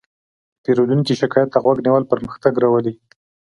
د پیرودونکي شکایت ته غوږ نیول پرمختګ راولي.